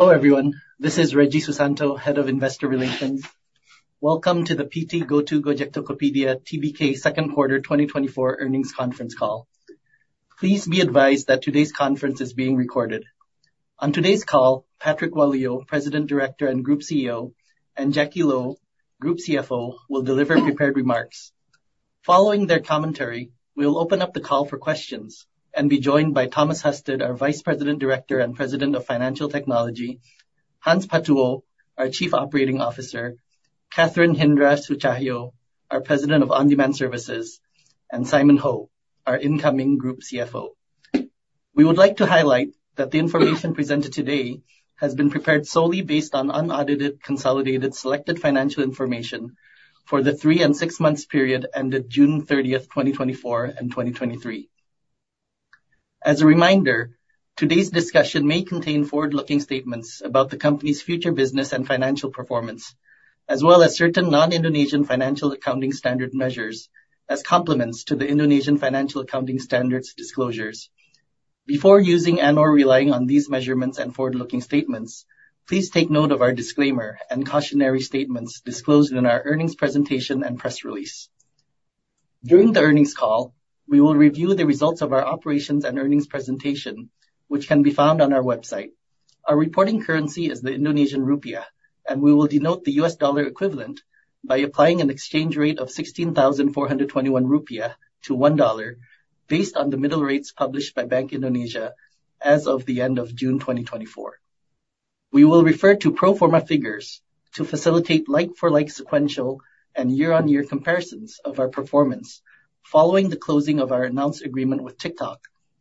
Hello, everyone. This is Reggy Susanto, Head of Investor Relations. Welcome to the PT GoTo Gojek Tokopedia Tbk second quarter 2024 earnings conference call. Please be advised that today's conference is being recorded. On today's call, Patrick Walujo, President Director and Group CEO, and Jacky Lo, Group CFO, will deliver prepared remarks. Following their commentary, we'll open up the call for questions and be joined by Thomas Husted, our Vice President Director and President of Financial Technology, Hans Patuwo, our Chief Operating Officer, Catherine Hindra Sutjahyo, our President of On-Demand Services, and Simon Ho, our incoming Group CFO. We would like to highlight that the information presented today has been prepared solely based on unaudited, consolidated, selected financial information for the three and six-month period ended June 30th, 2024 and 2023. As a reminder, today's discussion may contain forward-looking statements about the company's future business and financial performance, as well as certain non-Indonesian financial accounting standard measures as complements to the Indonesian Financial Accounting Standards disclosures. Before using and/or relying on these measurements and forward-looking statements, please take note of our disclaimer and cautionary statements disclosed in our earnings presentation and press release. During the earnings call, we will review the results of our operations and earnings presentation, which can be found on our website. Our reporting currency is the Indonesian rupiah, and we will denote the U.S. dollar equivalent by applying an exchange rate of 16,421 rupiah to $1, based on the middle rates published by Bank Indonesia as of the end of June 2024. We will refer to pro forma figures to facilitate like-for-like, sequential, and year-on-year comparisons of our performance, following the closing of our announced agreement with TikTok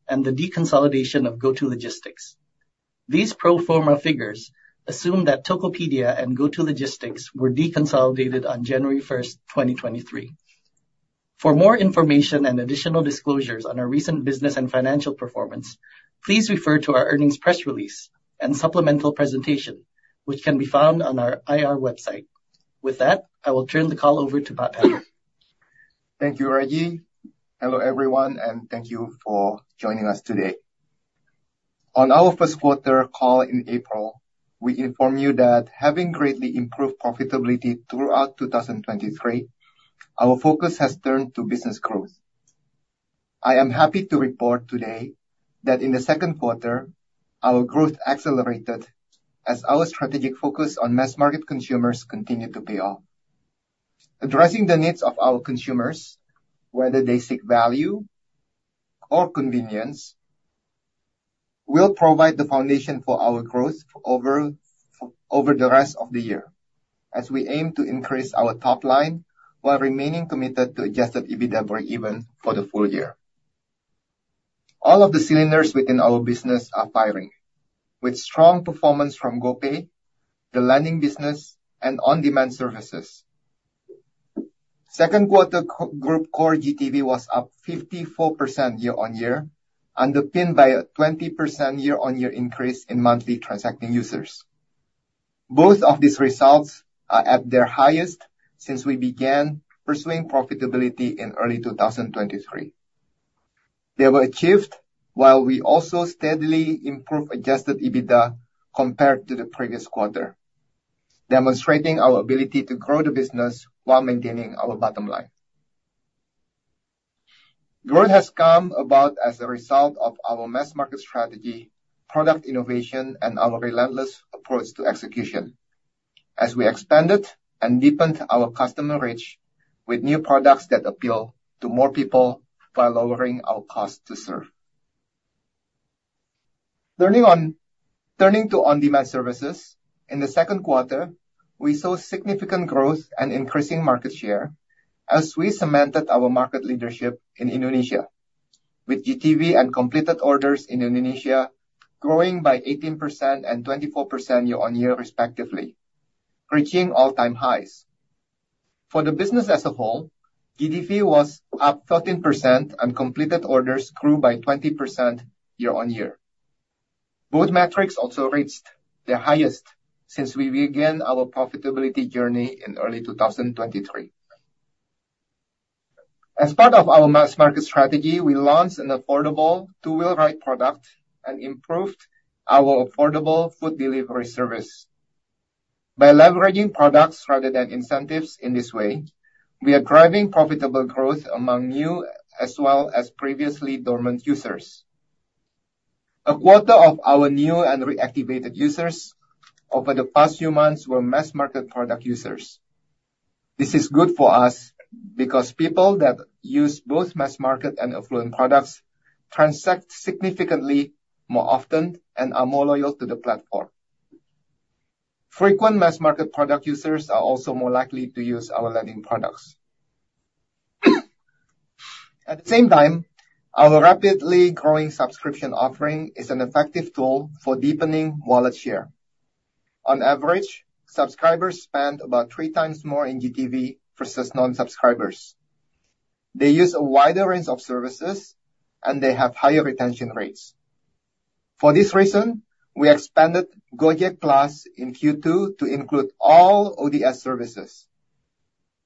and the deconsolidation of GoTo Logistics. These pro forma figures assume that Tokopedia and GoTo Logistics were deconsolidated on January 1st, 2023. For more information and additional disclosures on our recent business and financial performance, please refer to our earnings press release and supplemental presentation, which can be found on our IR website. With that, I will turn the call over to Patrick. Thank you, Reggy. Hello, everyone, and thank you for joining us today. On our first quarter call in April, we informed you that having greatly improved profitability throughout 2023, our focus has turned to business growth. I am happy to report today that in the second quarter, our growth accelerated as our strategic focus on mass market consumers continued to pay off. Addressing the needs of our consumers, whether they seek value or convenience, will provide the foundation for our growth over the rest of the year, as we aim to increase our top line while remaining committed to adjusted EBITDA breakeven for the full-year. All of the cylinders within our business are firing, with strong performance from GoPay, the lending business, and On-Demand Services. Second quarter Group Core GTV was up 54% year-on-year, underpinned by a 20% year-on-year increase in monthly transacting users. Both of these results are at their highest since we began pursuing profitability in early 2023. They were achieved while we also steadily improved adjusted EBITDA compared to the previous quarter, demonstrating our ability to grow the business while maintaining our bottom line. Growth has come about as a result of our mass market strategy, product innovation, and our relentless approach to execution, as we expanded and deepened our customer reach with new products that appeal to more people by lowering our cost to serve. Turning to On-Demand Services, in the second quarter, we saw significant growth and increasing market share as we cemented our market leadership in Indonesia, with GTV and completed orders in Indonesia growing by 18% and 24% year-on-year, respectively, reaching all-time highs. For the business as a whole, GTV was up 13%, and completed orders grew by 20% year-on-year. Both metrics also reached their highest since we began our profitability journey in early 2023. As part of our mass market strategy, we launched an affordable two-wheel ride product and improved our affordable food delivery service. By leveraging products rather than incentives in this way, we are driving profitable growth among new, as well as previously dormant, users. A quarter of our new and reactivated users over the past few months were mass market product users. This is good for us, because people that use both mass market and affluent products transact significantly more often and are more loyal to the platform. Frequent mass market product users are also more likely to use our lending products. At the same time, our rapidly growing subscription offering is an effective tool for deepening wallet share. On average, subscribers spend about three times more in GTV versus non-subscribers. They use a wider range of services, and they have higher retention rates. For this reason, we expanded Gojek Plus in Q2 to include all ODS services.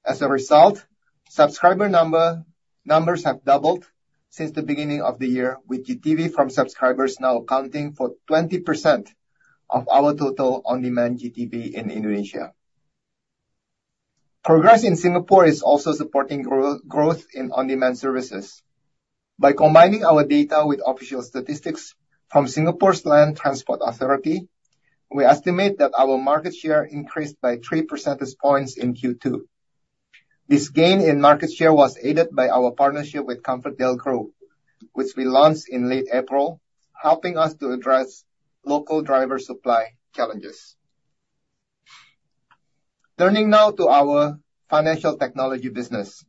As a result, subscriber numbers have doubled since the beginning of the year, with GTV from subscribers now accounting for 20% of our total on-demand GTV in Indonesia. Progress in Singapore is also supporting growth in On-Demand Services. By combining our data with official statistics from Singapore's Land Transport Authority, we estimate that our market share increased by 3 percentage points in Q2. This gain in market share was aided by our partnership with ComfortDelGro, which we launched in late April, helping us to address local driver supply challenges. Turning now to our financial technology business.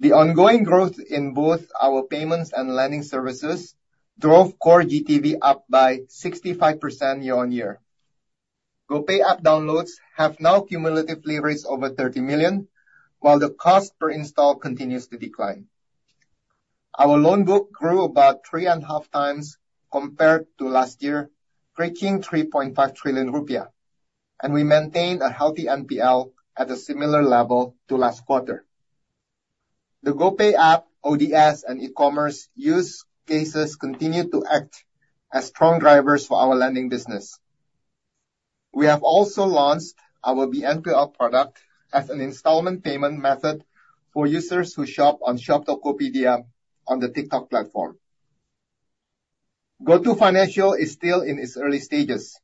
The ongoing growth in both our payments and lending services drove core GTV up by 65% year-on-year. GoPay app downloads have now cumulatively raised over 30 million, while the cost per install continues to decline. Our loan book grew about 3.5 times compared to last year, breaking 3.5 trillion rupiah, and we maintained a healthy NPL at a similar level to last quarter. The GoPay app, ODS, and e-commerce use cases continue to act as strong drivers for our lending business. We have also launched our BNPL product as an installment payment method for users who shop on Shop Tokopedia on the TikTok platform. GoTo Financial is still in its early stages.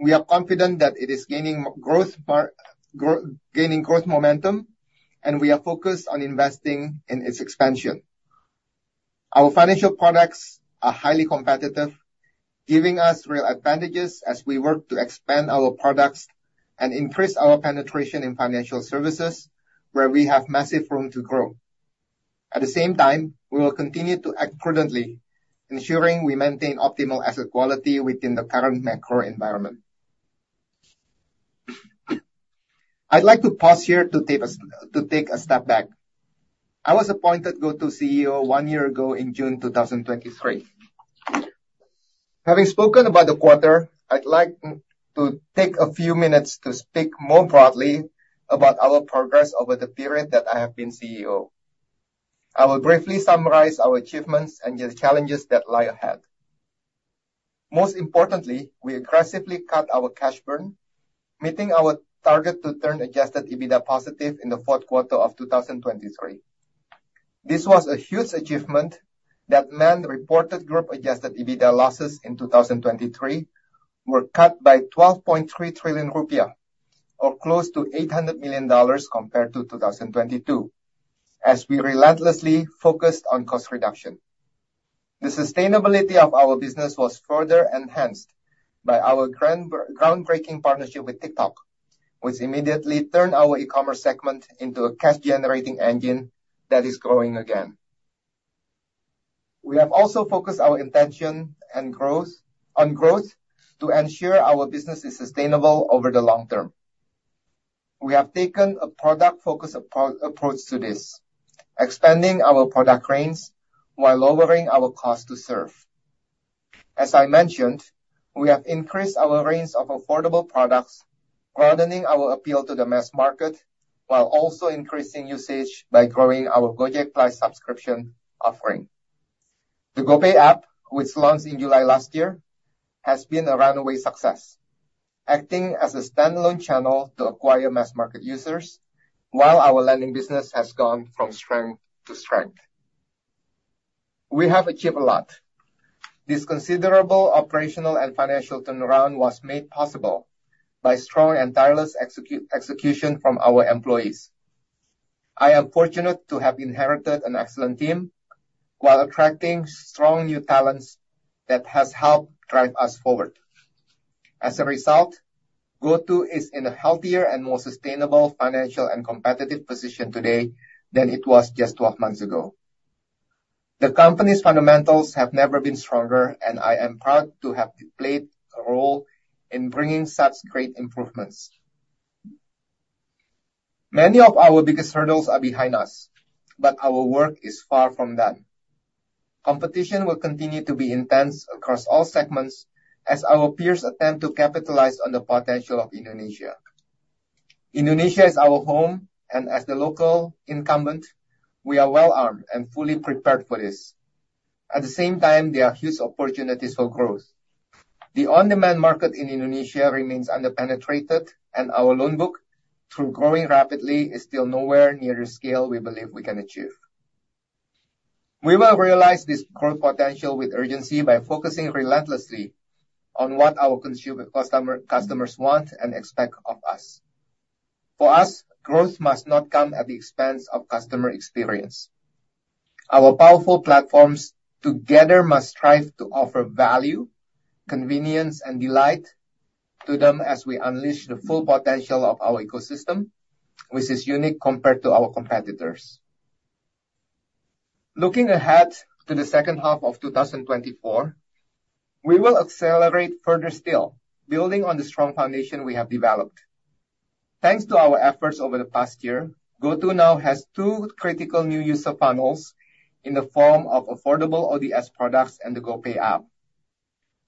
We are confident that it is gaining growth momentum, and we are focused on investing in its expansion. Our financial products are highly competitive, giving us real advantages as we work to expand our products and increase our penetration in financial services, where we have massive room to grow. At the same time, we will continue to act prudently, ensuring we maintain optimal asset quality within the current macro environment. I'd like to pause here to take a step back. I was appointed GoTo CEO one year ago in June 2023. Having spoken about the quarter, I'd like to take a few minutes to speak more broadly about our progress over the period that I have been CEO. I will briefly summarize our achievements and the challenges that lie ahead. Most importantly, we aggressively cut our cash burn, meeting our target to turn adjusted EBITDA positive in the fourth quarter of 2023. This was a huge achievement that meant reported group-adjusted EBITDA losses in 2023 were cut by 12.3 trillion rupiah, or close to $800 million compared to 2022, as we relentlessly focused on cost reduction. The sustainability of our business was further enhanced by our groundbreaking partnership with TikTok, which immediately turned our e-commerce segment into a cash-generating engine that is growing again. We have also focused our intention on growth to ensure our business is sustainable over the long term. We have taken a product-focused approach to this, expanding our product range while lowering our cost to serve. As I mentioned, we have increased our range of affordable products, broadening our appeal to the mass market, while also increasing usage by growing our Gojek Plus subscription offering. The GoPay app, which launched in July last year, has been a runaway success, acting as a standalone channel to acquire mass market users, while our lending business has gone from strength to strength. We have achieved a lot. This considerable operational and financial turnaround was made possible by strong and tireless execution from our employees. I am fortunate to have inherited an excellent team while attracting strong new talents that has helped drive us forward. As a result, GoTo is in a healthier and more sustainable financial and competitive position today than it was just 12 months ago. The company's fundamentals have never been stronger, and I am proud to have played a role in bringing such great improvements. Many of our biggest hurdles are behind us, but our work is far from done. Competition will continue to be intense across all segments as our peers attempt to capitalize on the potential of Indonesia. Indonesia is our home, and as the local incumbent, we are well-armed and fully prepared for this. At the same time, there are huge opportunities for growth. The on-demand market in Indonesia remains under-penetrated, and our loan book, through growing rapidly, is still nowhere near the scale we believe we can achieve. We will realize this growth potential with urgency by focusing relentlessly on what our consumer customers want and expect of us. For us, growth must not come at the expense of customer experience. Our powerful platforms together must strive to offer value, convenience, and delight to them as we unleash the full potential of our ecosystem, which is unique compared to our competitors. Looking ahead to the second half of 2024, we will accelerate further still, building on the strong foundation we have developed. Thanks to our efforts over the past year, GoTo now has two critical new user funnels in the form of affordable ODS products and the GoPay app.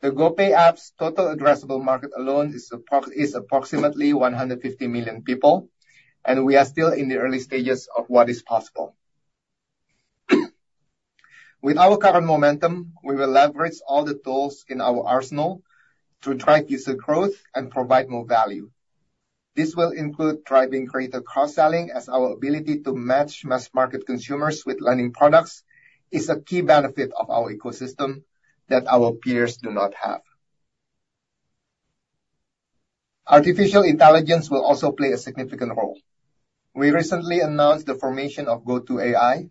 The GoPay app's total addressable market alone is approximately 150 million people, and we are still in the early stages of what is possible. With our current momentum, we will leverage all the tools in our arsenal to drive user growth and provide more value. This will include driving greater cross-selling, as our ability to match mass market consumers with lending products is a key benefit of our ecosystem that our peers do not have. Artificial intelligence will also play a significant role. We recently announced the formation of GoTo AI,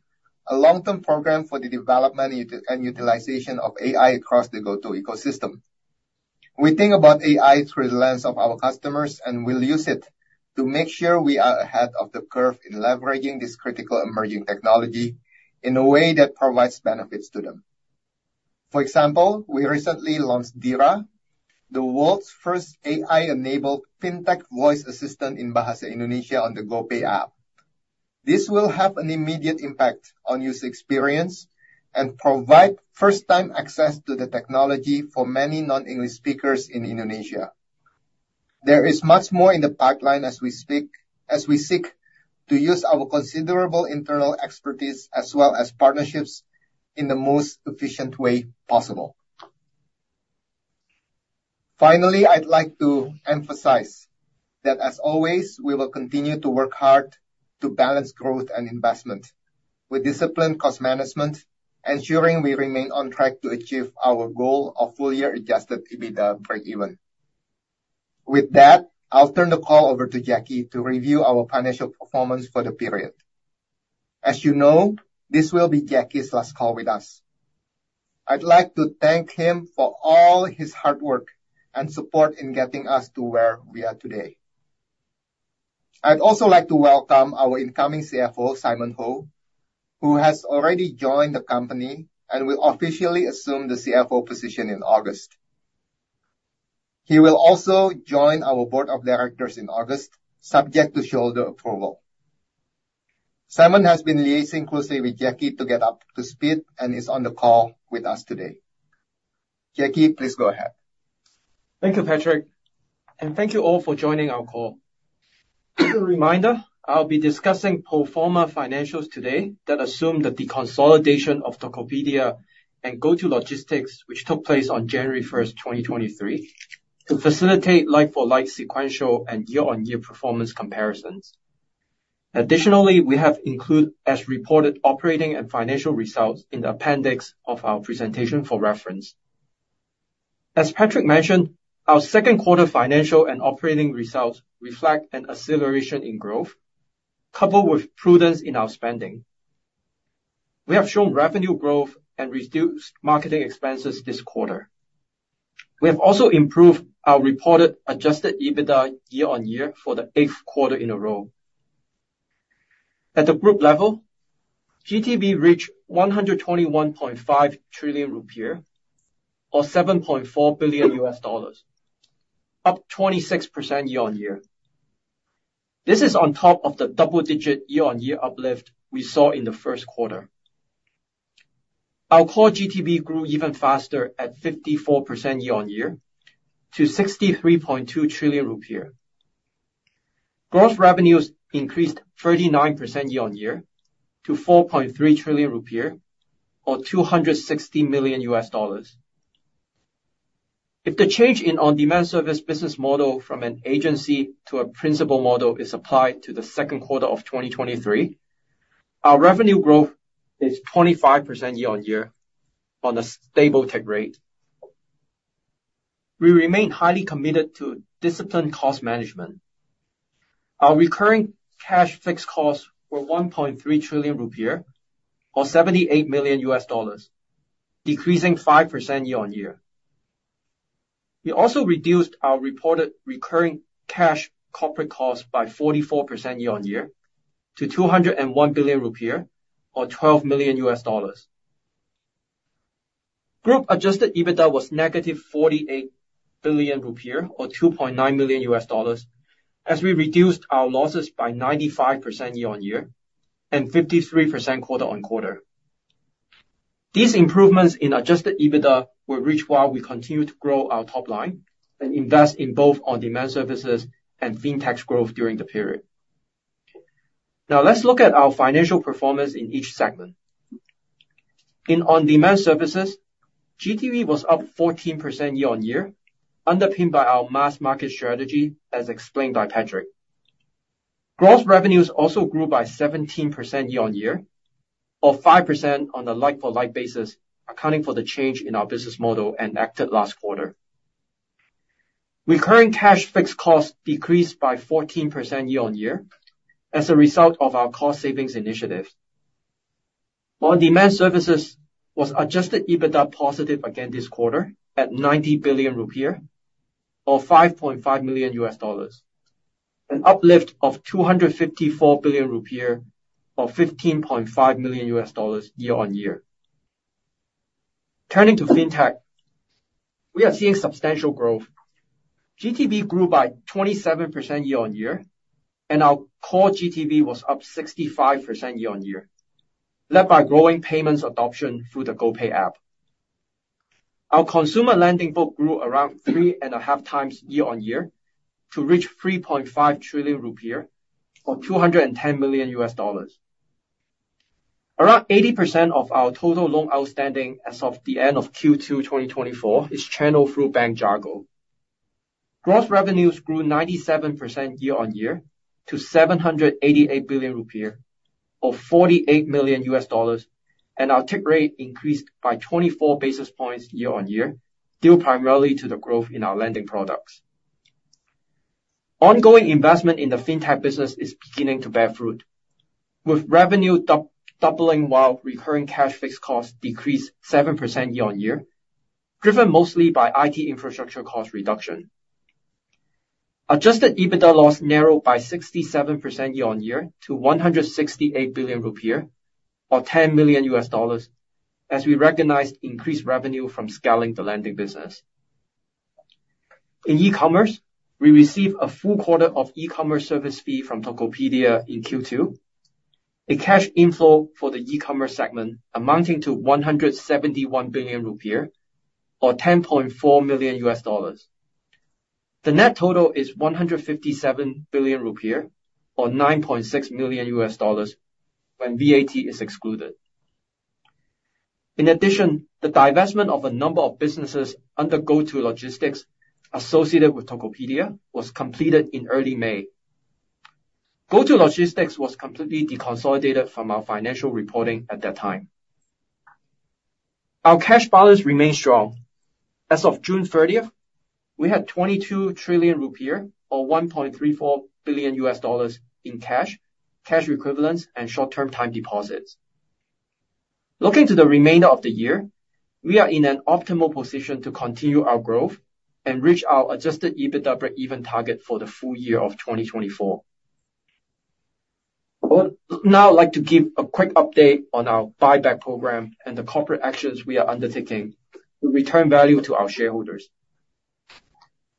a long-term program for the development and utilization of AI across the GoTo ecosystem. We think about AI through the lens of our customers, and we'll use it to make sure we are ahead of the curve in leveraging this critical emerging technology in a way that provides benefits to them. For example, we recently launched Dira, the world's first AI-enabled fintech voice assistant in Bahasa Indonesia on the GoPay app. This will have an immediate impact on user experience and provide first-time access to the technology for many non-English speakers in Indonesia. There is much more in the pipeline as we speak, as we seek to use our considerable internal expertise as well as partnerships in the most efficient way possible. Finally, I'd like to emphasize that, as always, we will continue to work hard to balance growth and investment with disciplined cost management, ensuring we remain on track to achieve our goal of full-year adjusted EBITDA breakeven. With that, I'll turn the call over to Jacky to review our financial performance for the period. As you know, this will be Jacky's last call with us. I'd like to thank him for all his hard work and support in getting us to where we are today. I'd also like to welcome our incoming CFO, Simon Ho, who has already joined the company and will officially assume the CFO position in August. He will also join our Board of Directors in August, subject to shareholder approval. Simon has been liaising closely with Jacky to get up to speed and is on the call with us today. Jacky, please go ahead. Thank you, Patrick, and thank you all for joining our call. As a reminder, I'll be discussing pro forma financials today that assume the deconsolidation of Tokopedia and GoTo Logistics, which took place on January 1st, 2023, to facilitate like-for-like, sequential, and year-on-year performance comparisons. Additionally, we have included as reported operating and financial results in the appendix of our presentation for reference. As Patrick mentioned, our second quarter financial and operating results reflect an acceleration in growth, coupled with prudence in our spending. We have shown revenue growth and reduced marketing expenses this quarter. We have also improved our reported adjusted EBITDA year-on-year for the eighth quarter in a row. At the group level, GTV reached 121.5 trillion rupiah, or $7.4 billion, up 26% year-on-year. This is on top of the double-digit year-on-year uplift we saw in the first quarter. Our core GTV grew even faster at 54% year-on-year to IDR 63.2 trillion. Gross revenues increased 39% year-on-year to 4.3 trillion rupiah, or $260 million. If the change in on-demand service business model from an agency to a principal model is applied to the second quarter of 2023, our revenue growth is 25% year-on-year on a stable tech rate. We remain highly committed to disciplined cost management. Our recurring cash fixed costs were 1.3 trillion rupiah, or $78 million, decreasing 5% year-on-year. We also reduced our reported recurring cash corporate costs by 44% year-on-year to 201 billion rupiah, or $12 million. Group adjusted EBITDA was -48 billion rupiah, or $2.9 million, as we reduced our losses by 95% year-on-year and 53% quarter-on-quarter. These improvements in adjusted EBITDA were reached while we continued to grow our top line and invest in both On-Demand Services and fintech growth during the period. Now, let's look at our financial performance in each segment. In On-Demand Services, GTV was up 14% year-on-year, underpinned by our mass market strategy, as explained by Patrick. Gross revenues also grew by 17% year-on-year, or 5% on a like-for-like basis, accounting for the change in our business model enacted last quarter. Recurring cash fixed costs decreased by 14% year-on-year as a result of our cost savings initiative. On-Demand Services was adjusted EBITDA positive again this quarter at 90 billion rupiah, or $5.5 million, an uplift of 254 billion rupiah, or $15.5 million year-on-year. Turning to fintech, we are seeing substantial growth. GTV grew by 27% year-on-year, and our core GTV was up 65% year-on-year, led by growing payments adoption through the GoPay app. Our consumer lending book grew around 3.5 times year-on-year to reach 3.5 trillion rupiah, or $210 million. Around 80% of our total loan outstanding as of the end of Q2 2024 is channeled through Bank Jago. Gross revenues grew 97% year-on-year to IDR 788 billion, or $48 million, and our take rate increased by 24 basis points year-on-year, due primarily to the growth in our lending products. Ongoing investment in the fintech business is beginning to bear fruit, with revenue doubling, while recurring cash fixed costs decreased 7% year-on-year, driven mostly by IT infrastructure cost reduction. Adjusted EBITDA loss narrowed by 67% year-on-year to 168 billion rupiah, or $10 million, as we recognized increased revenue from scaling the lending business. In e-commerce, we received a full quarter of e-commerce service fee from Tokopedia in Q2. A cash inflow for the e-commerce segment amounting to 171 billion rupiah, or $10.4 million. The net total is 157 billion rupiah, or $9.6 million, when VAT is excluded. In addition, the divestment of a number of businesses under GoTo Logistics associated with Tokopedia was completed in early May. GoTo Logistics was completely deconsolidated from our financial reporting at that time. Our cash balance remains strong. As of June 30th, we had 22 trillion rupiah, or $1.34 billion in cash, cash equivalents, and short-term time deposits. Looking to the remainder of the year, we are in an optimal position to continue our growth and reach our adjusted EBITDA breakeven target for the full-year of 2024. I would now like to give a quick update on our buyback program and the corporate actions we are undertaking to return value to our shareholders.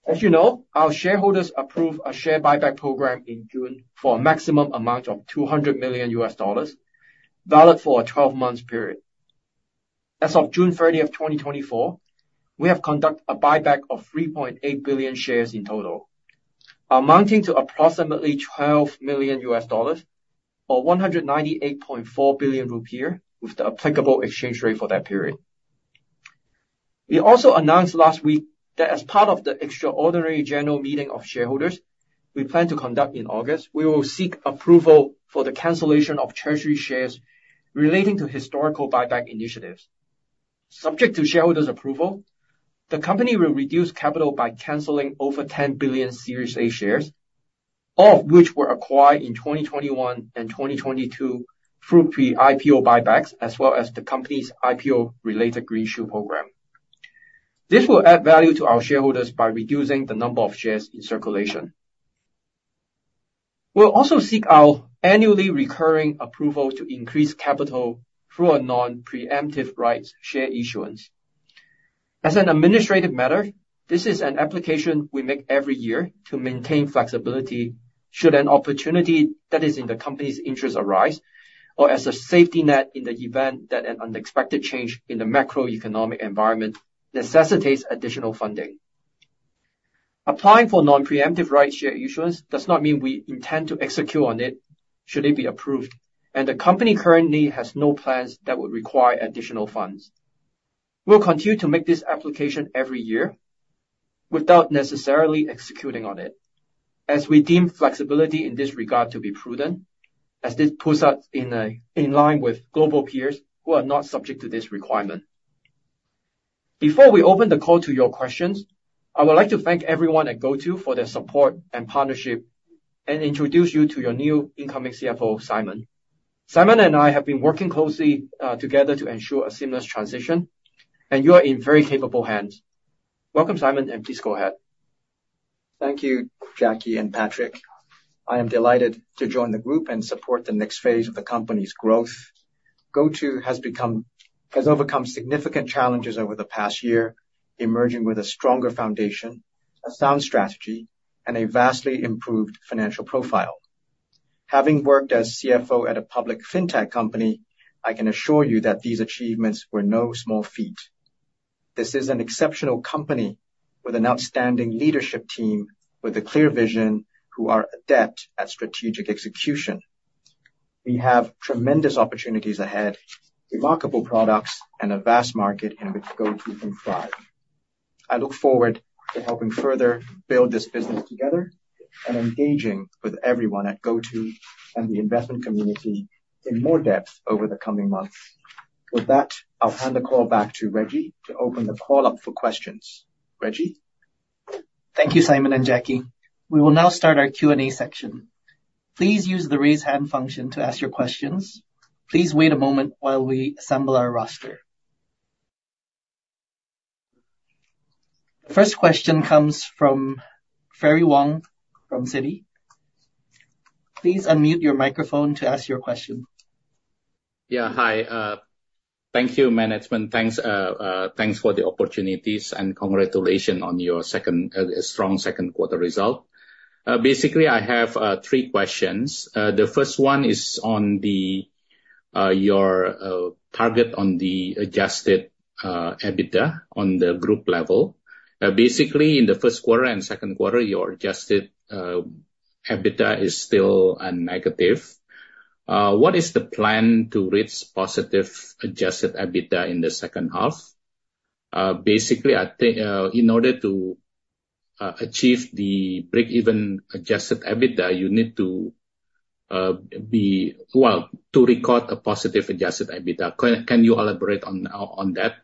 As you know, our shareholders approved a share buyback program in June for a maximum amount of $200 million, valid for a 12-month period. As of June 30th, 2024, we have conducted a buyback of 3.8 billion shares in total, amounting to approximately $12 million, or 198.4 billion rupiah, with the applicable exchange rate for that period. We also announced last week that as part of the extraordinary general meeting of shareholders we plan to conduct in August, we will seek approval for the cancellation of treasury shares relating to historical buyback initiatives. Subject to shareholders' approval, the company will reduce capital by canceling over 10 billion Series A shares, all of which were acquired in 2021 and 2022 through pre-IPO buybacks, as well as the company's IPO-related green shoe program. This will add value to our shareholders by reducing the number of shares in circulation. We'll also seek our annually recurring approval to increase capital through a non-preemptive rights share issuance. As an administrative matter, this is an application we make every year to maintain flexibility should an opportunity that is in the company's interest arise, or as a safety net in the event that an unexpected change in the macroeconomic environment necessitates additional funding. Applying for non-preemptive right share issuance does not mean we intend to execute on it, should it be approved, and the company currently has no plans that would require additional funds. We'll continue to make this application every year without necessarily executing on it, as we deem flexibility in this regard to be prudent, as this puts us in line with global peers who are not subject to this requirement. Before we open the call to your questions, I would like to thank everyone at GoTo for their support and partnership, and introduce you to your new incoming CFO, Simon. Simon and I have been working closely together to ensure a seamless transition, and you are in very capable hands. Welcome, Simon, and please go ahead. Thank you, Jacky and Patrick. I am delighted to join the group and support the next phase of the company's growth. GoTo has overcome significant challenges over the past year, emerging with a stronger foundation, a sound strategy, and a vastly improved financial profile. Having worked as CFO at a public fintech company, I can assure you that these achievements were no small feat. This is an exceptional company with an outstanding leadership team, with a clear vision, who are adept at strategic execution. We have tremendous opportunities ahead, remarkable products, and a vast market in which GoTo can thrive. I look forward to helping further build this business together and engaging with everyone at GoTo and the investment community in more depth over the coming months. With that, I'll hand the call back to Reggy to open the call up for questions. Reggy? Thank you, Simon and Jacky. We will now start our Q&A section. Please use the raise hand function to ask your questions. Please wait a moment while we assemble our roster. First question comes from Ferry Wong from Citi. Please unmute your microphone to ask your question. Yeah, hi. Thank you, management. Thanks for the opportunities, and congratulations on your second, strong second quarter result. Basically, I have three questions. The first one is on your target on the adjusted EBITDA on the group level. Basically, in the first quarter and second quarter, your adjusted EBITDA is still a negative. What is the plan to reach positive adjusted EBITDA in the second half? Basically, I think, in order to achieve the breakeven adjusted EBITDA, you need to be, well, to record a positive adjusted EBITDA. Can you elaborate on that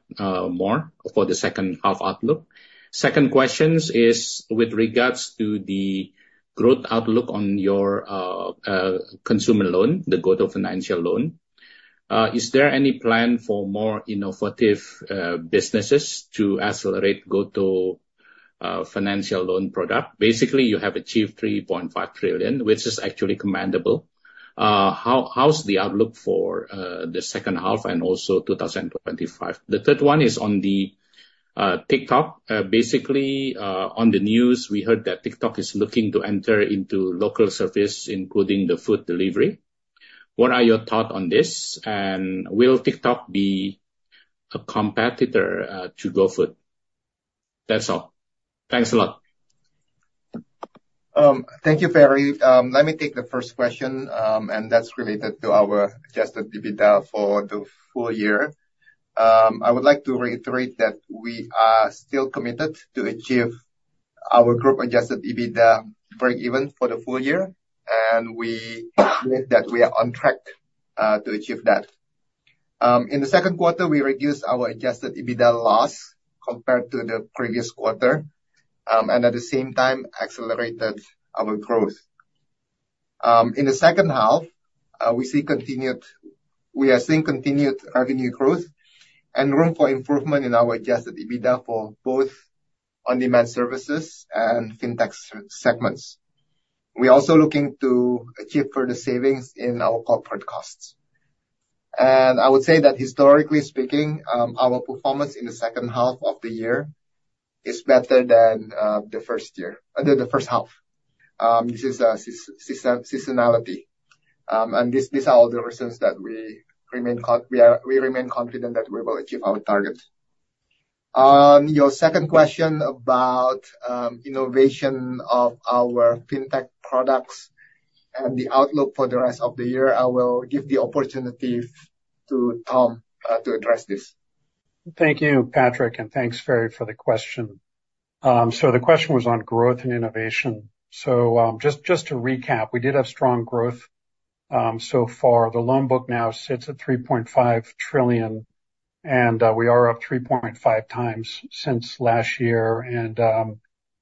more for the second half outlook? Second question is with regards to the growth outlook on your consumer loan, the GoTo Financial loan. Is there any plan for more innovative businesses to accelerate GoTo Financial loan product? Basically, you have achieved 3.5 trillion, which is actually commendable. How's the outlook for the second half and also 2025? The third one is on TikTok. Basically, on the news, we heard that TikTok is looking to enter into local services, including the food delivery. What are your thoughts on this? And will TikTok be a competitor to GoFood? That's all. Thanks a lot. Thank you, Ferry. Let me take the first question, and that's related to our adjusted EBITDA for the full-year. I would like to reiterate that we are still committed to achieve our group adjusted EBITDA breakeven for the full-year, and we believe that we are on track to achieve that. In the second quarter, we reduced our adjusted EBITDA loss compared to the previous quarter, and at the same time, accelerated our growth. In the second half, we are seeing continued revenue growth and room for improvement in our adjusted EBITDA for both On-Demand Services and fintech segments. We're also looking to achieve further savings in our corporate costs. I would say that historically speaking, our performance in the second half of the year is better than the first year, the first half. This is seasonality. And this, these are all the reasons that we remain confident that we will achieve our targets. Your second question about innovation of our fintech products and the outlook for the rest of the year, I will give the opportunity to Tom to address this. Thank you, Patrick, and thanks, Ferry, for the question. So the question was on growth and innovation. Just to recap, we did have strong growth so far. The loan book now sits at 3.5 trillion, and we are up 3.5x since last year, and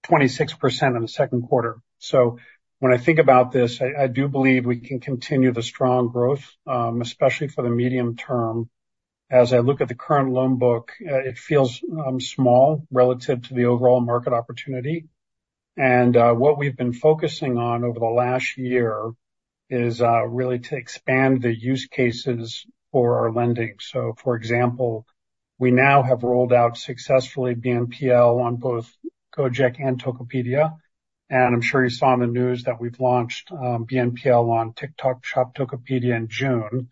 26% in the second quarter. So when I think about this, I do believe we can continue the strong growth, especially for the medium term. As I look at the current loan book, it feels small relative to the overall market opportunity. And what we've been focusing on over the last year is really to expand the use cases for our lending. So, for example, we now have rolled out successfully BNPL on both Gojek and Tokopedia. And I'm sure you saw in the news that we've launched BNPL on TikTok, Shop Tokopedia in June.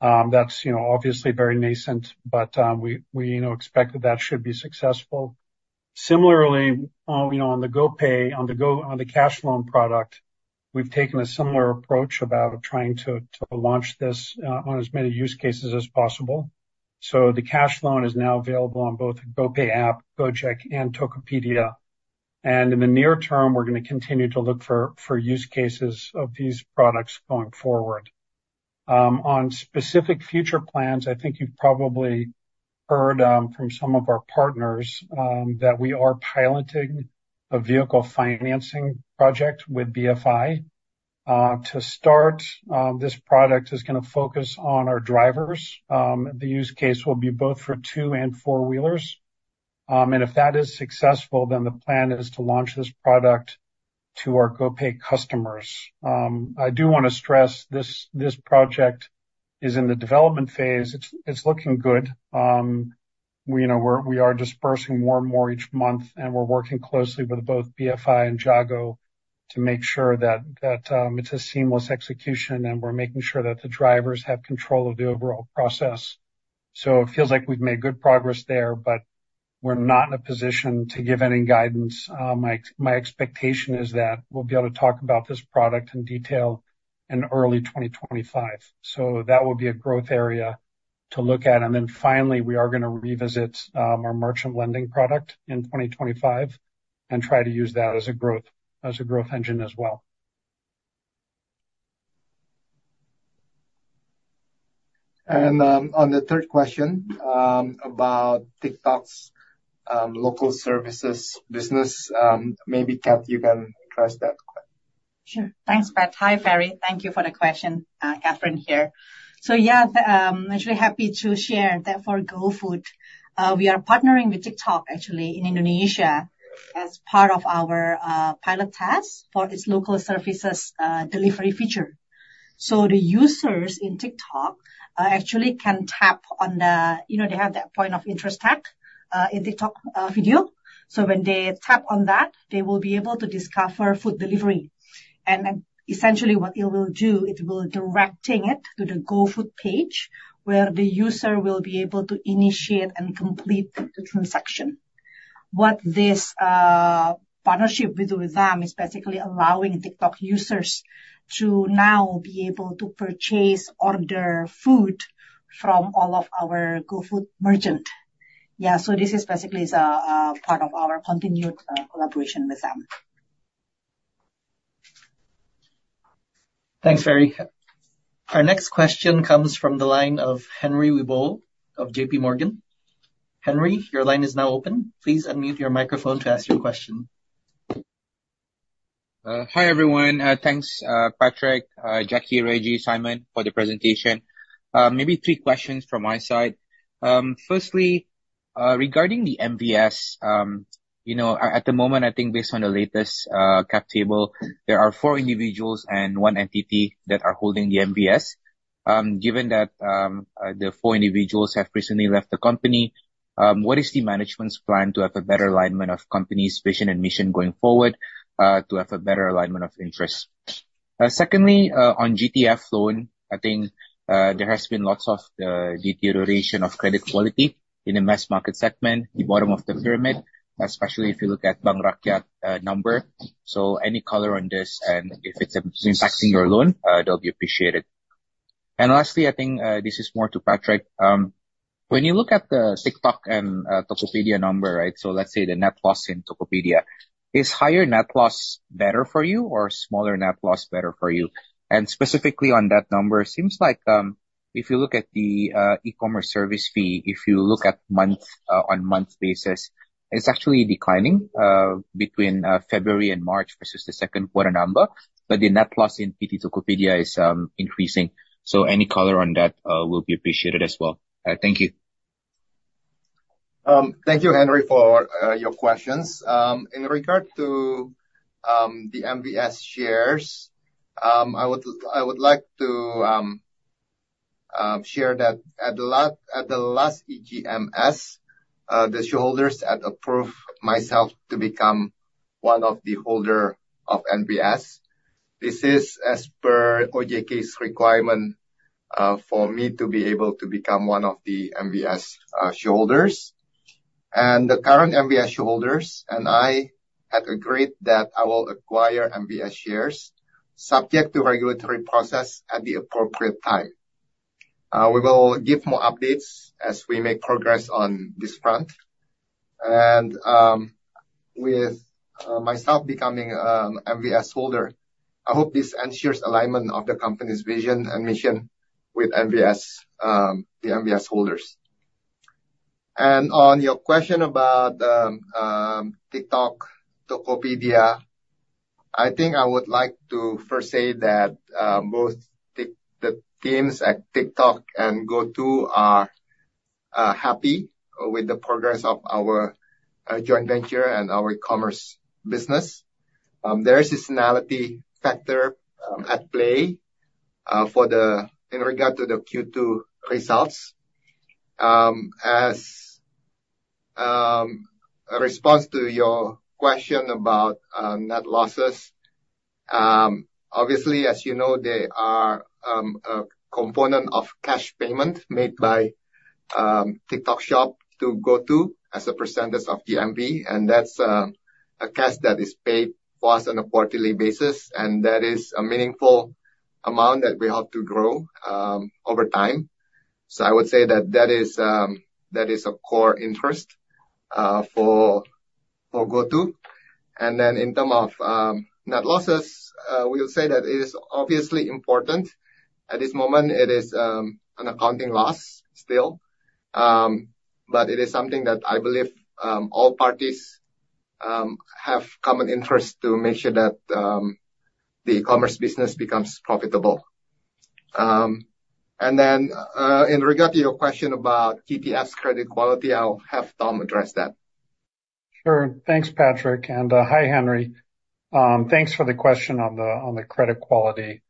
That's, you know, obviously very nascent, but we expect that should be successful. Similarly, you know, on the GoPay, on the cash loan product, we've taken a similar approach about trying to launch this on as many use cases as possible. So the cash loan is now available on both GoPay app, Gojek, and Tokopedia. And in the near term, we're gonna continue to look for use cases of these products going forward. On specific future plans, I think you've probably heard from some of our partners that we are piloting a vehicle financing project with BFI. To start, this product is gonna focus on our drivers. The use case will be both for two and four-wheelers. If that is successful, then the plan is to launch this product to our GoPay customers. I do wanna stress this, this project is in the development phase. It's looking good. You know, we are disbursing more and more each month, and we're working closely with both BFI and Jago to make sure that it's a seamless execution, and we're making sure that the drivers have control of the overall process. So it feels like we've made good progress there, but we're not in a position to give any guidance. My expectation is that we'll be able to talk about this product in detail in early 2025. So that will be a growth area to look at. Then finally, we are gonna revisit our merchant lending product in 2025 and try to use that as a growth, as a growth engine as well. On the third question, about TikTok's local services business, maybe, Cath, you can address that question. Sure. Thanks, Pat. Hi, Ferry. Thank you for the question. Catherine here. So yeah, actually happy to share that for GoFood, we are partnering with TikTok, actually, in Indonesia as part of our, pilot test for its local services, delivery feature. So the users in TikTok, actually can tap on the, you know, they have that point of interest tag, in TikTok, video. So when they tap on that, they will be able to discover food delivery. And then, essentially, what it will do, it will directing it to the GoFood page, where the user will be able to initiate and complete the transaction. What this, partnership with them is basically allowing TikTok users to now be able to purchase, order food from all of our GoFood merchant. Yeah, so this is basically a part of our continued collaboration with them. Thanks, Ferry. Our next question comes from the line of Henry Wibowo of JPMorgan. Henry, your line is now open. Please unmute your microphone to ask your question. Hi, everyone. Thanks, Patrick, Jacky, Reggy, Simon, for the presentation. Maybe three questions from my side. Firstly, regarding the MVS, you know, at the moment, I think based on the latest cap table, there are four individuals and one entity that are holding the MVS. Given that, the four individuals have recently left the company, what is the management's plan to have a better alignment of company's vision and mission going forward, to have a better alignment of interest? Secondly, on GTF loan, I think there has been lots of deterioration of credit quality in the mass market segment, the bottom of the pyramid, especially if you look at Bank Rakyat number. So any color on this, and if it's impacting your loan, that would be appreciated. Lastly, I think, this is more to Patrick. When you look at the TikTok and Tokopedia number, right? So let's say the net loss in Tokopedia. Is higher net loss better for you, or smaller net loss better for you? And specifically on that number, it seems like, if you look at the e-commerce service fee, if you look at month-over-month basis, it's actually declining between February and March versus the second quarter number, but the net loss in PT Tokopedia is increasing. So any color on that will be appreciated as well. Thank you. Thank you, Henry, for your questions. In regard to the MVS shares, I would like to share that at the last EGMS, the shareholders had approved myself to become one of the holder of MVS. This is as per OJK's requirement for me to be able to become one of the MVS shareholders. The current MVS shareholders and I had agreed that I will acquire MVS shares, subject to regulatory process at the appropriate time. We will give more updates as we make progress on this front. With myself becoming MVS holder, I hope this ensures alignment of the company's vision and mission with MVS, the MVS holders. And on your question about TikTok, Tokopedia, I think I would like to first say that both the teams at TikTok and GoTo are happy with the progress of our joint venture and our e-commerce business. There is seasonality factor at play in regard to the Q2 results. As a response to your question about net losses, obviously, as you know, they are a component of cash payment made by TikTok Shop to GoTo as a percentage of GMV, and that's a cash that is paid for us on a quarterly basis, and that is a meaningful amount that we hope to grow over time. So I would say that that is a core interest for GoTo. And then in terms of net losses, we'll say that it is obviously important. At this moment, it is an accounting loss, still. But it is something that I believe all parties have common interest to make sure that the e-commerce business becomes profitable. And then in regard to your question about GTF's credit quality, I'll have Tom address that. Sure. Thanks, Patrick, and hi, Henry. Thanks for the question on the credit quality.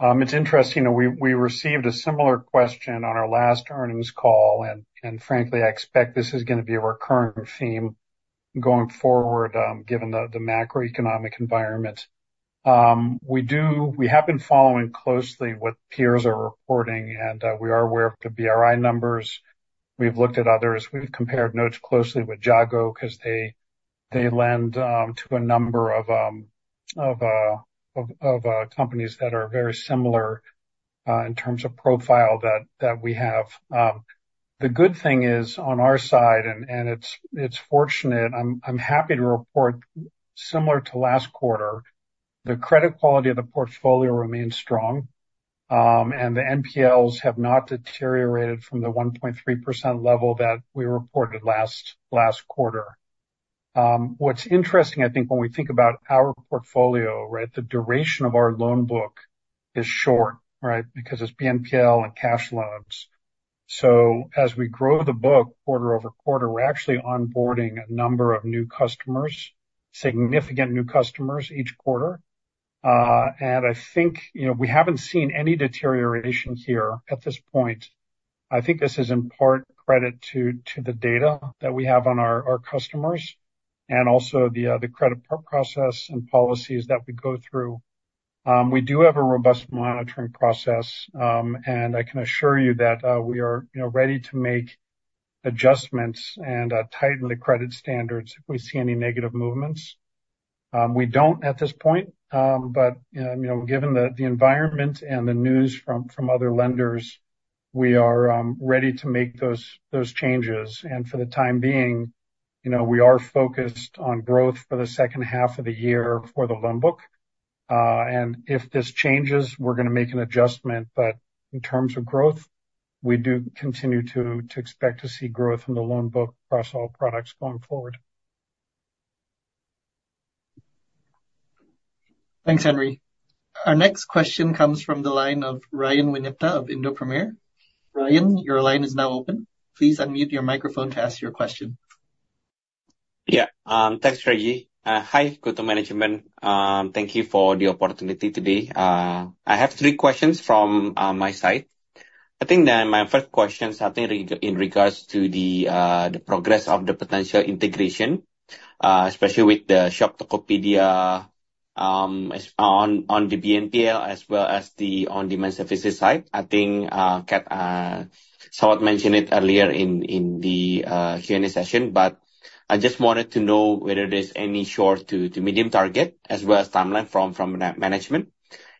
It's interesting, you know, we received a similar question on our last earnings call, and frankly, I expect this is gonna be a recurring theme going forward, given the macroeconomic environment. We have been following closely what peers are reporting, and we are aware of the BRI numbers. We've looked at others. We've compared notes closely with Jago, 'cause they lend to a number of companies that are very similar in terms of profile that we have. The good thing is, on our side, and it's fortunate, I'm happy to report, similar to last quarter, the credit quality of the portfolio remains strong. And the NPLs have not deteriorated from the 1.3% level that we reported last quarter. What's interesting, I think, when we think about our portfolio, right? The duration of our loan book is short, right? Because it's BNPL and cash loans. So as we grow the book quarter over quarter, we're actually onboarding a number of new customers, significant new customers each quarter. And I think, you know, we haven't seen any deterioration here at this point. I think this is in part credit to the data that we have on our customers, and also the credit process and policies that we go through. We do have a robust monitoring process, and I can assure you that we are, you know, ready to make adjustments and tighten the credit standards if we see any negative movements. We don't at this point, but you know, given the environment and the news from other lenders, we are ready to make those changes. And for the time being, you know, we are focused on growth for the second half of the year for the loan book. And if this changes, we're gonna make an adjustment. But in terms of growth, we do continue to expect to see growth in the loan book across all products going forward. Thanks, Henry. Our next question comes from the line of Ryan Winipta of Indo Premier. Ryan, your line is now open. Please unmute your microphone to ask your question. Yeah, thanks, Reggy. Hi, GoTo management. Thank you for the opportunity today. I have three questions from my side. I think that my first question, I think, in regards to the progress of the potential integration, especially with the Shop Tokopedia, on the BNPL, as well as the On-Demand Services side. I think, Cath, somewhat mentioned it earlier in the Q&A session, but I just wanted to know whether there's any short to medium target, as well as timeline from management.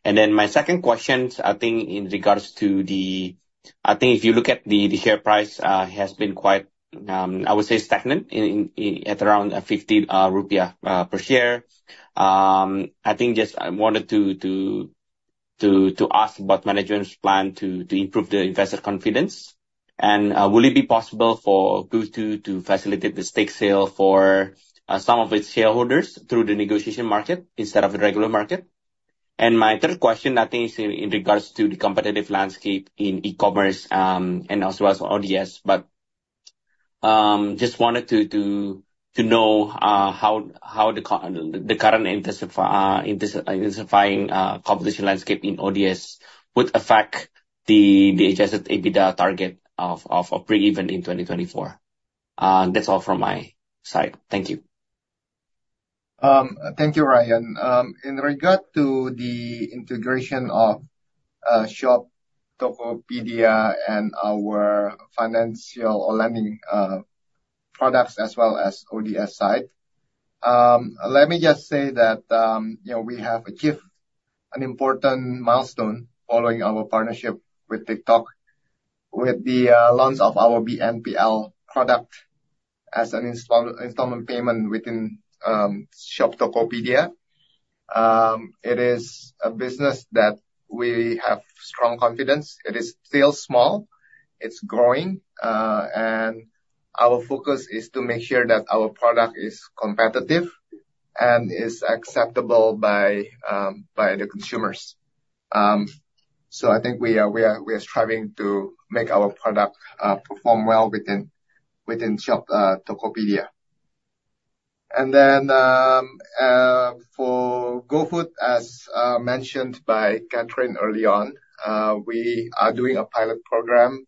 And then my second question, I think in regards to the share price. I think if you look at the share price has been quite, I would say, stagnant at around 50 rupiah per share. I think just I wanted to ask about management's plan to improve the investor confidence. Will it be possible for GoTo to facilitate the stake sale for some of its shareholders through the negotiation market instead of the regular market? My third question, I think is in regards to the competitive landscape in e-commerce and as well as ODS. Just wanted to know how the current intensifying competition landscape in ODS would affect the adjusted EBITDA target of breakeven in 2024. That's all from my side. Thank you. Thank you, Ryan. In regard to the integration of Shop Tokopedia and our financial or lending products as well as ODS side, let me just say that, you know, we have achieved an important milestone following our partnership with TikTok, with the launch of our BNPL product as an installment payment within Shop Tokopedia. It is a business that we have strong confidence. It is still small, it's growing, and our focus is to make sure that our product is competitive and is acceptable by the consumers. So I think we are striving to make our product perform well within Shop Tokopedia. And then, for GoFood, as mentioned by Catherine early on, we are doing a pilot program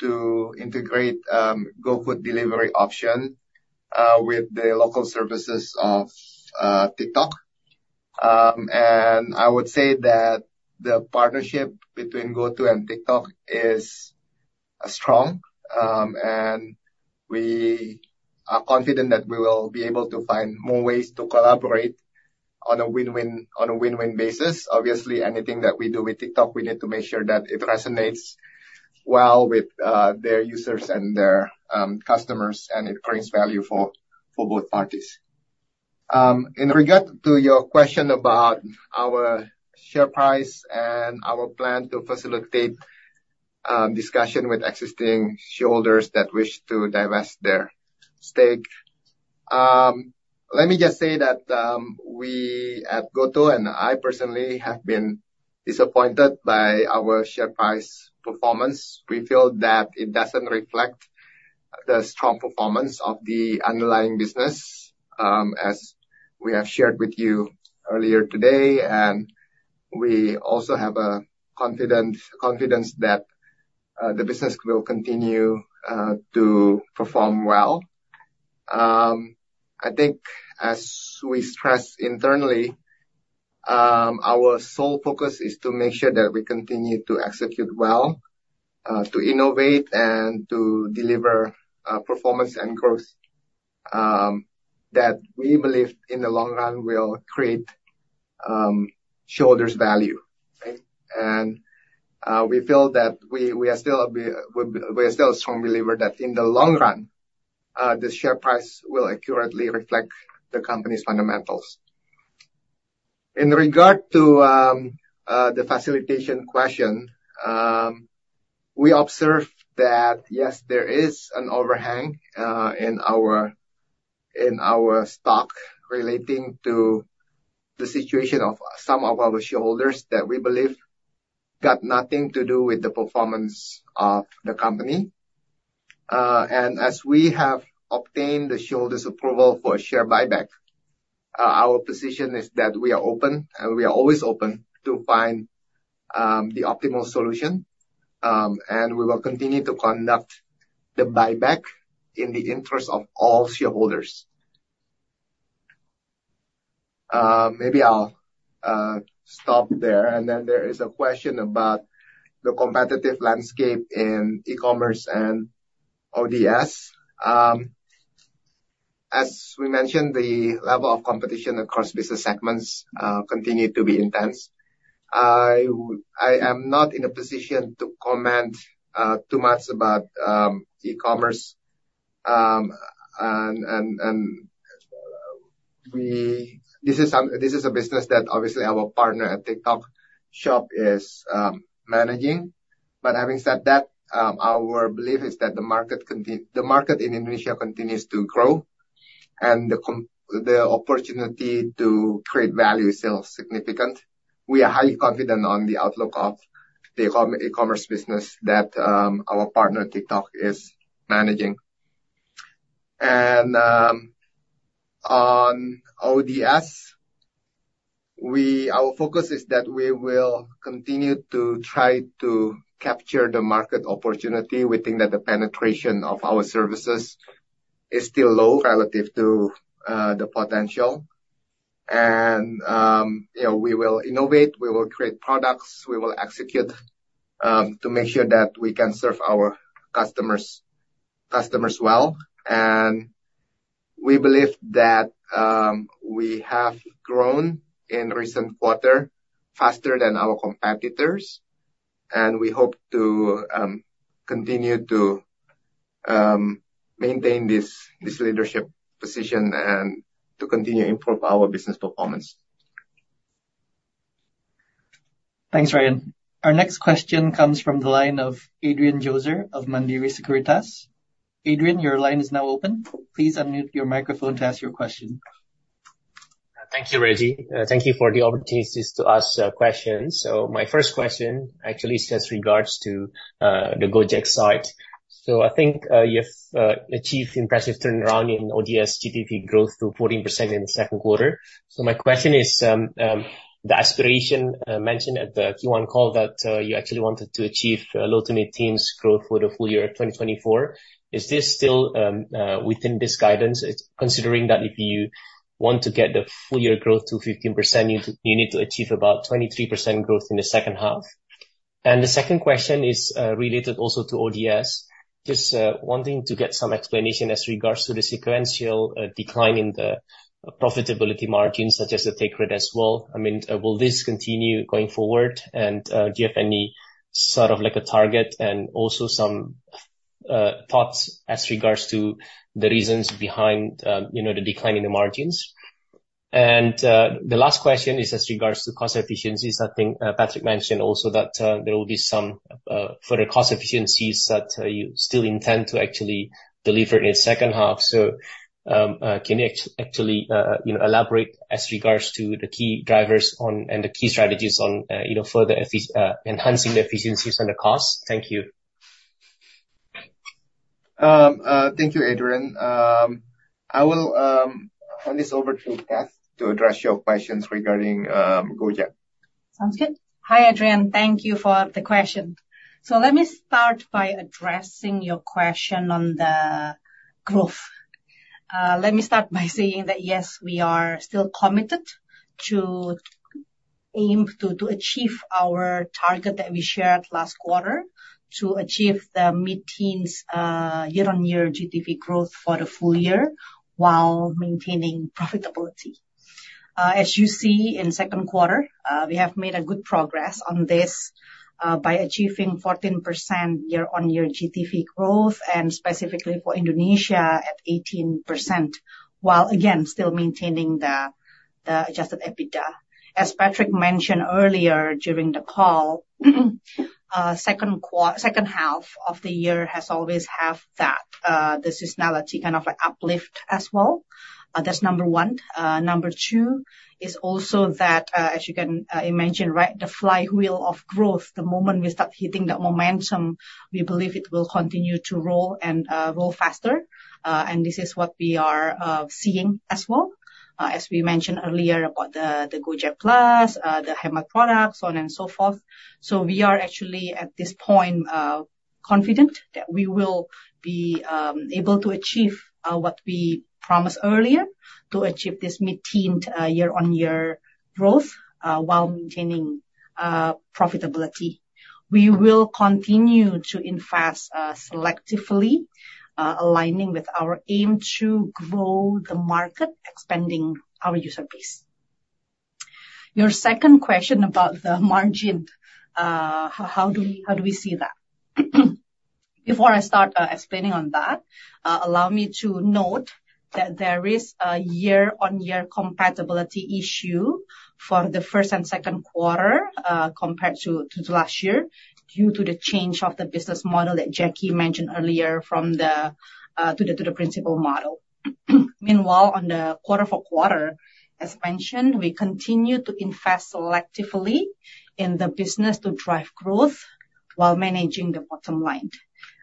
to integrate GoFood delivery option with the local services of TikTok. And I would say that the partnership between GoTo and TikTok is strong, and we are confident that we will be able to find more ways to collaborate on a win-win, on a win-win basis. Obviously, anything that we do with TikTok, we need to make sure that it resonates well with their users and their customers, and it creates value for both parties. In regard to your question about our share price and our plan to facilitate discussion with existing shareholders that wish to divest their stake. Let me just say that, we at GoTo, and I personally, have been disappointed by our share price performance. We feel that it doesn't reflect the strong performance of the underlying business, as we have shared with you earlier today, and we also have a confidence that, the business will continue to perform well. I think as we stress internally, our sole focus is to make sure that we continue to execute well, to innovate, and to deliver, performance and growth, that we believe in the long run will create, shareholders' value, right? And, we feel that we, we are still a strong believer that in the long run, the share price will accurately reflect the company's fundamentals. In regard to the facilitation question, we observe that, yes, there is an overhang in our stock relating to the situation of some of our shareholders that we believe got nothing to do with the performance of the company. As we have obtained the shareholders' approval for a share buyback, our position is that we are open, and we are always open to find the optimal solution. We will continue to conduct the buyback in the interest of all shareholders. Maybe I'll stop there, and then there is a question about the competitive landscape in e-commerce and ODS. As we mentioned, the level of competition across business segments continue to be intense. I am not in a position to comment too much about e-commerce, and we. This is a business that obviously our partner at TikTok Shop is managing. But having said that, our belief is that the market in Indonesia continues to grow, and the opportunity to create value is still significant. We are highly confident on the outlook of the e-commerce business that our partner, TikTok, is managing. And on ODS, we, our focus is that we will continue to try to capture the market opportunity. We think that the penetration of our services is still low relative to the potential. And you know, we will innovate, we will create products, we will execute to make sure that we can serve our customers, customers well. We believe that we have grown in recent quarter faster than our competitors, and we hope to continue to maintain this, this leadership position and to continue improve our business performance. Thanks, Ryan. Our next question comes from the line of Adrian Joezer of Mandiri Sekuritas. Adrian, your line is now open. Please unmute your microphone to ask your question. Thank you, Reggy. Thank you for the opportunities to ask questions. So my first question actually has regards to the Gojek side. So I think you've achieved impressive turnaround in ODS GTV growth to 14% in the second quarter. So my question is, the aspiration mentioned at the Q1 call that you actually wanted to achieve a low- to mid-teens growth for the full-year of 2024. Is this still within this guidance, it's considering that if you want to get the full-year growth to 15%, you need to achieve about 23% growth in the second half? And the second question is related also to ODS. Just wanting to get some explanation as regards to the sequential decline in the profitability margins, such as the take rate as well. I mean, will this continue going forward? And do you have any sort of, like, a target and also some thoughts as regards to the reasons behind, you know, the decline in the margins? And the last question is as regards to cost efficiencies. I think Patrick mentioned also that there will be some further cost efficiencies that you still intend to actually deliver in the second half. So can you actually, you know, elaborate as regards to the key drivers on, and the key strategies on, you know, further enhancing the efficiencies and the costs? Thank you. Thank you, Adrian. I will hand this over to Cath to address your questions regarding Gojek. Sounds good. Hi, Adrian. Thank you for the question. So let me start by addressing your question on the growth. Let me start by saying that, yes, we are still committed to aim to, to achieve our target that we shared last quarter, to achieve the mid-teens, year-on-year GTV growth for the full-year, while maintaining profitability. As you see in second quarter, we have made a good progress on this, by achieving 14% year-on-year GTV growth, and specifically for Indonesia, at 18%, while again, still maintaining the adjusted EBITDA. As Patrick mentioned earlier during the call, second half of the year has always have that, the seasonality, kind of a uplift as well. That's number one. Number 2 is also that, as you can imagine, right, the flywheel of growth, the moment we start hitting that momentum, we believe it will continue to roll and grow faster. And this is what we are seeing as well, as we mentioned earlier about the Gojek Plus, the Hemat products, so on and so forth. So we are actually, at this point, confident that we will be able to achieve what we promised earlier, to achieve this mid-teen year-on-year growth, while maintaining profitability. We will continue to invest selectively, aligning with our aim to grow the market, expanding our user base. Your second question about the margin, how do we see that? Before I start explaining on that, allow me to note that there is a year-on-year compatibility issue for the first and second quarter compared to the last year, due to the change of the business model that Jacky mentioned earlier from the to the principal model. Meanwhile, on the quarter-over-quarter, as mentioned, we continue to invest selectively in the business to drive growth while managing the bottom line.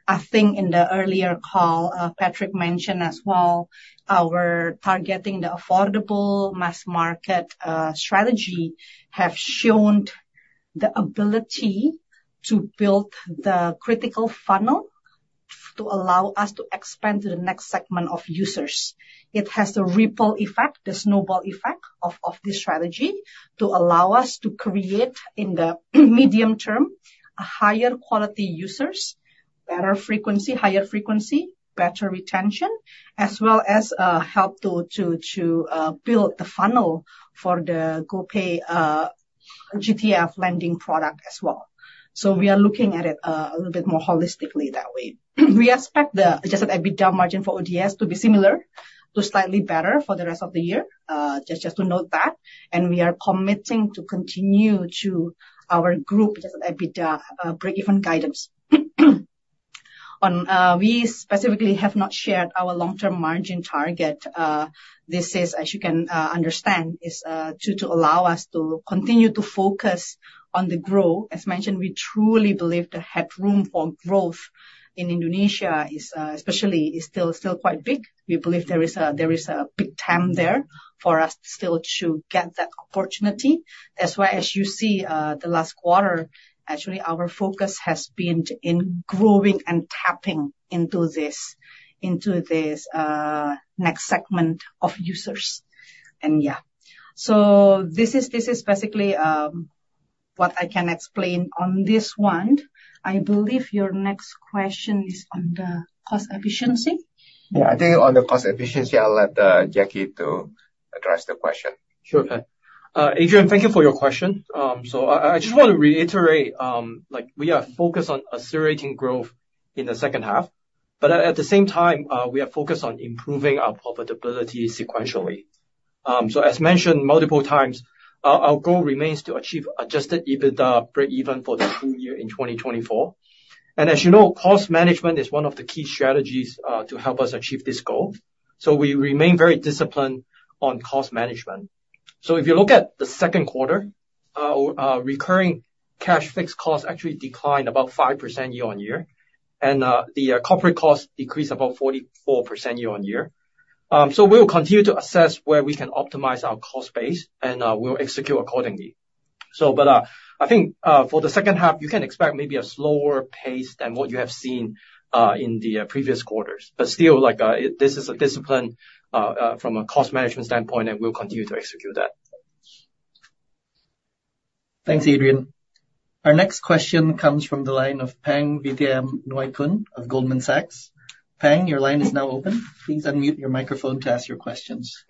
I think in the earlier call, Patrick mentioned as well, our targeting the affordable mass market strategy have shown the ability to build the critical funnel to allow us to expand to the next segment of users. It has the ripple effect, the snowball effect of this strategy, to allow us to create, in the medium term, higher quality users, better frequency, higher frequency, better retention, as well as help to build the funnel for the GoPay GTF lending product as well. So we are looking at it a little bit more holistically that way. We expect the adjusted EBITDA margin for ODS to be similar to slightly better for the rest of the year, just, just to note that, and we are committing to continue to our group adjusted EBITDA break-even guidance. We specifically have not shared our long-term margin target. This is, as you can understand, to allow us to continue to focus on the growth. As mentioned, we truly believe the headroom for growth in Indonesia is especially still quite big. We believe there is a big TAM there for us still to get that opportunity. That's why, as you see, the last quarter, actually, our focus has been in growing and tapping into this next segment of users. And yeah, so this is basically what I can explain on this one. I believe your next question is on the cost efficiency? Yeah, I think on the cost efficiency, I'll let Jacky to address the question. Sure. Adrian, thank you for your question. I just want to reiterate, like, we are focused on accelerating growth in the second half, but at the same time, we are focused on improving our profitability sequentially. As mentioned multiple times, our goal remains to achieve adjusted EBITDA break-even for the full-year in 2024. As you know, cost management is one of the key strategies to help us achieve this goal, so we remain very disciplined on cost management. If you look at the second quarter, our recurring cash fixed costs actually declined about 5% year-on-year, and the corporate costs decreased about 44% year-on-year. We'll continue to assess where we can optimize our cost base, and we'll execute accordingly. I think, for the second half, you can expect maybe a slower pace than what you have seen in the previous quarters. But still, like, this is a discipline from a cost management standpoint, and we'll continue to execute that. Thanks, Adrian. Our next question comes from the line of Pang Vittayaamnuaykoon of Goldman Sachs. Pang, your line is now open. Please unmute your microphone to ask your questions.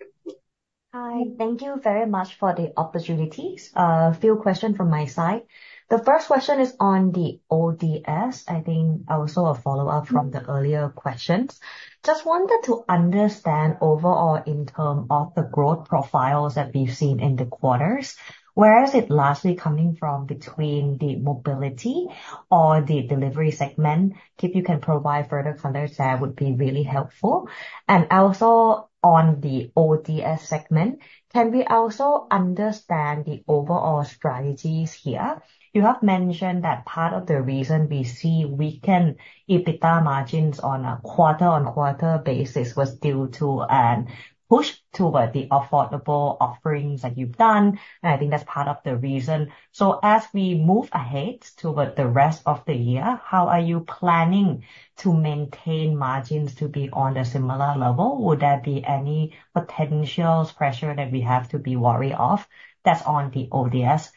Hi, thank you very much for the opportunity. A few questions from my side. The first question is on the ODS. I think also a follow-up from the earlier questions. Just wanted to understand overall, in terms of the growth profiles that we've seen in the quarters, where is it largely coming from between the mobility or the delivery segment? If you can provide further color there, would be really helpful. And also, on the ODS segment, can we also understand the overall strategies here? You have mentioned that part of the reason we see weakened EBITDA margins on a quarter-on-quarter basis was due to a push toward the affordable offerings that you've done, and I think that's part of the reason. So as we move ahead toward the rest of the year, how are you planning to maintain margins to be on a similar level? Would there be any potential pressure that we have to be worried of? That's on the ODS.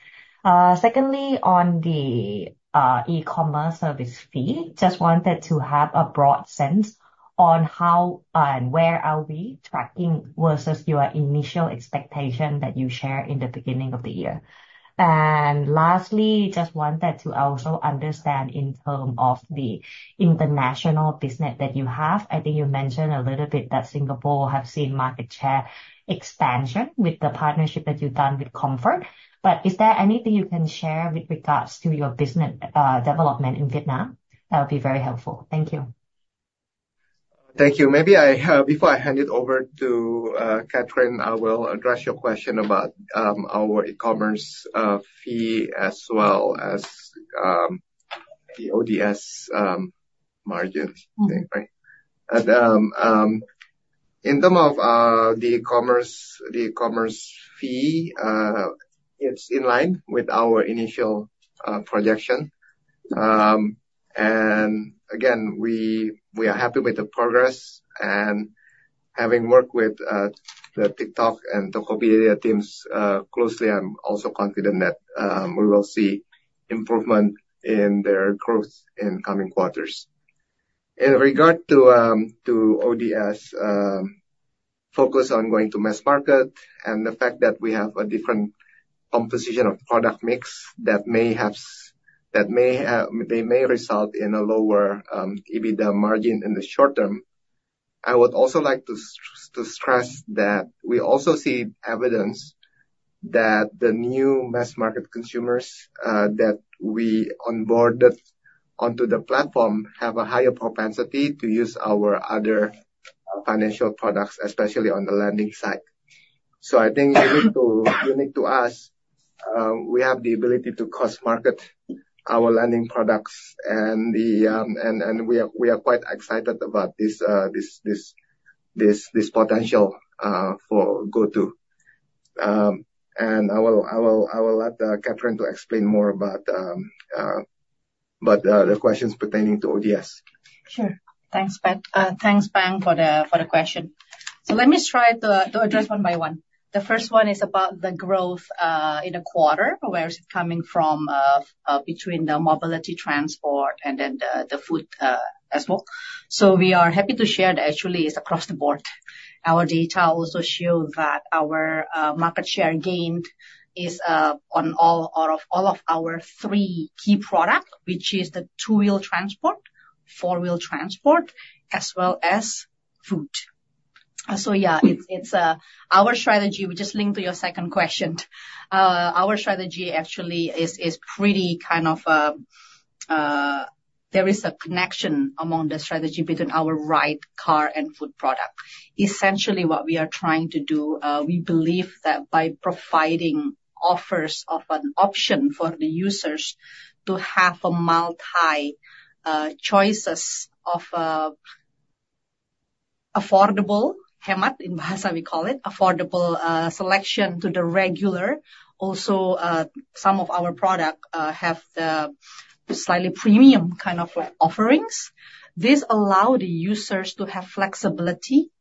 Secondly, on the e-commerce service fee, just wanted to have a broad sense on how and where are we tracking versus your initial expectation that you shared in the beginning of the year. And lastly, just wanted to also understand in terms of the international business that you have. I think you mentioned a little bit that Singapore have seen market share expansion with the partnership that you've done with Comfort. But is there anything you can share with regards to your business development in Vietnam? That would be very helpful. Thank you. Thank you. Maybe I, before I hand it over to Catherine, I will address your question about our e-commerce fee, as well as the ODS margin. Right? In terms of the e-commerce, the e-commerce fee, it's in line with our initial projection. And again, we are happy with the progress, and having worked with the TikTok and Tokopedia teams closely, I'm also confident that we will see improvement in their growth in coming quarters. In regard to ODS focus on going to mass market and the fact that we have a different composition of product mix that may result in a lower EBITDA margin in the short term. I would also like to stress that we also see evidence that the new mass market consumers that we onboarded onto the platform have a higher propensity to use our other financial products, especially on the lending side. So I think unique to us, we have the ability to cross-market our lending products and we are quite excited about this potential for GoTo. And I will let Catherine to explain more about the questions pertaining to ODS. Sure. Thanks, Pat. Thanks, Pang, for the question. So let me try to address one by one. The first one is about the growth in a quarter, where is it coming from between the mobility transport and then the food as well? So we are happy to share that actually it's across the board. Our data also show that our market share gained is on all of our three key product, which is the two-wheel transport, four-wheel transport, as well as food. So yeah, it's our strategy, which is linked to your second question. Our strategy actually is pretty kind of. There is a connection among the strategy between our ride, car, and food product. Essentially, what we are trying to do, we believe that by providing offers of an option for the users to have a multi, choices of, affordable, Hemat, in Bahasa we call it, affordable, selection to the regular. Also, some of our product, have the slightly premium kind of like offerings. This allow the users to have flexibility,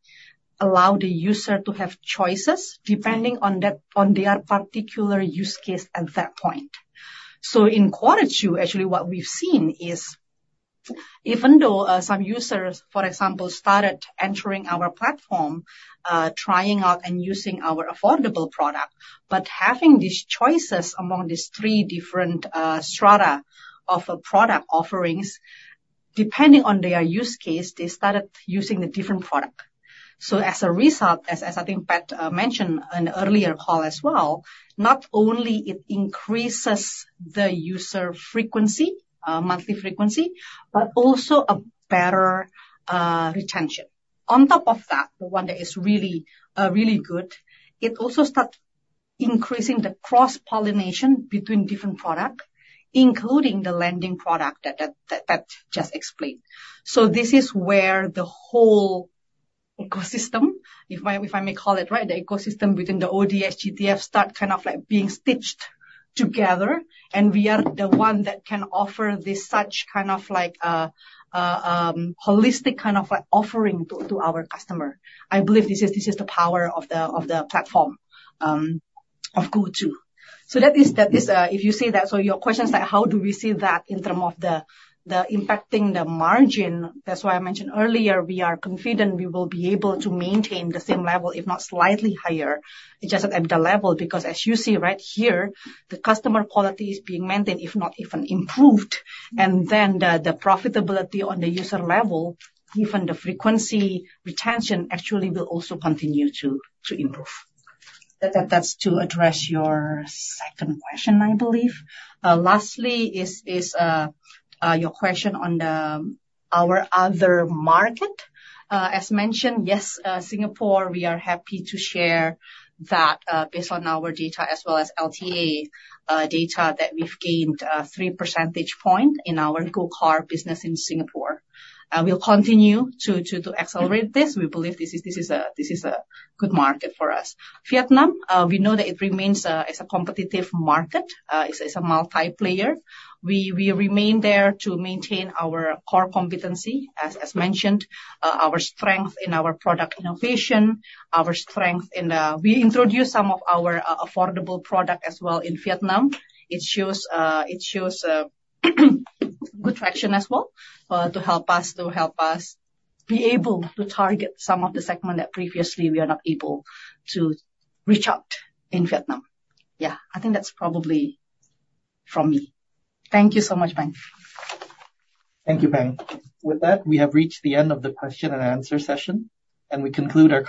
allow the user to have choices depending on that- on their particular use case at that point. So in quarter two, actually, what we've seen is, even though, some users, for example, started entering our platform, trying out and using our affordable product, but having these choices among these three different, strata of a product offerings, depending on their use case, they started using a different product. So as a result, as I think Pat mentioned in earlier call as well, not only it increases the user frequency, monthly frequency, but also a better retention. On top of that, the one that is really, really good, it also start increasing the cross-pollination between different product, including the lending product that Pat just explained. So this is where the whole ecosystem, if I may call it, right, the ecosystem within the ODS, GTF start kind of like being stitched together, and we are the one that can offer this such kind of like holistic kind of like offering to our customer. I believe this is the power of the platform of GoTo. So that is, if you see that. So your question is like, how do we see that in terms of the impacting the margin? That's why I mentioned earlier, we are confident we will be able to maintain the same level, if not slightly higher, adjusted EBITDA level. Because as you see right here, the customer quality is being maintained, if not even improved, and then the profitability on the user level, even the frequency retention, actually will also continue to improve. That's to address your second question, I believe. Lastly is your question on our other market. As mentioned, yes, Singapore, we are happy to share that, based on our data as well as LTA data, that we've gained three percentage points in our GoCar business in Singapore. We'll continue to accelerate this. We believe this is a good market for us. Vietnam, we know that it remains a competitive market, it's a multi-player. We remain there to maintain our core competency. As mentioned, our strength in our product innovation, our strength in the, we introduced some of our affordable product as well in Vietnam. It shows good traction as well to help us be able to target some of the segment that previously we are not able to reach out in Vietnam. Yeah, I think that's probably from me. Thank you so much, Pang. Thank you, Pang. With that, we have reached the end of the question-and-answer session, and we conclude our.